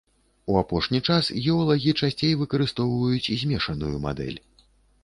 У апошні час геолагі часцей выкарыстоўваюць змешаную мадэль.